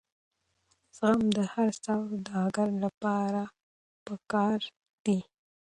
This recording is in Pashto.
زغم د هر سوداګر لپاره پکار دی.